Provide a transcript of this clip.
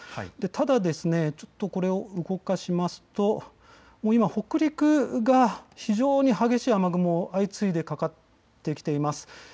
ただ、少し動かしますと今、北陸が非常に激しい雨雲、相次いでかかってきています。